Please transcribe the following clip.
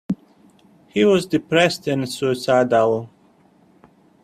He was depressed and suicidal.